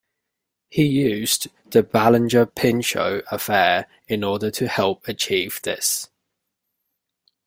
He used the Ballinger-Pinchot affair in order to help achieve this.